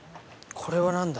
これ何だ。